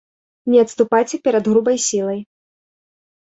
Не адступайце перад грубай сілай.